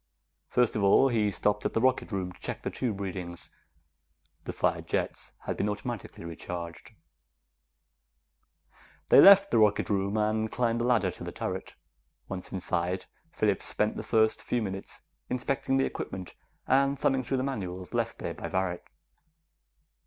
First of all, he stopped at the rocket room to check the tube readings. The fired jets had been automatically recharged. They left the rocket room and climbed the ladder to the turret. Once inside, Phillips spent the first few minutes inspecting the equipment and thumbing through the manuals left there by Varret.